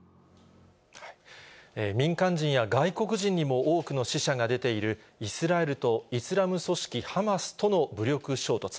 民間人や外国人にも多くの死者が出ているイスラエルとイスラム組織ハマスとの武力衝突。